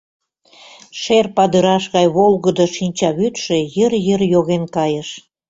Шер падыраш гай волгыдо шинчавӱдшӧ йыр-йыр йоген кайыш.